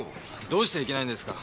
どうしていけないんですか